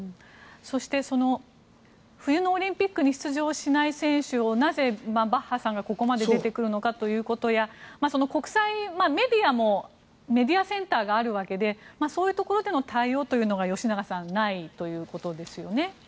そしてその冬のオリンピックに出場しない選手をなぜバッハさんがここまで出てくるのかということや国際メディアもメディアセンターがあるわけでそういうところでの対応というのがないということですね。